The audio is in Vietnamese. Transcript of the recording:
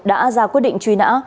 đã ra quyết định truy nã